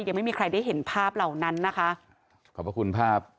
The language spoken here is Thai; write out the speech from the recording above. อยากเห็นค่ะ